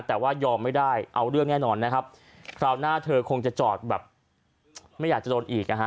แต่ว่ายอมไม่ได้เอาเรื่องแน่นอนนะครับคราวหน้าเธอคงจะจอดแบบไม่อยากจะโดนอีกนะฮะ